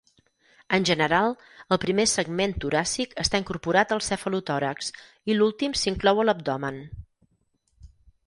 En general, el primer segment toràcic està incorporat al cefalotòrax i l'últim s'inclou a l'abdomen.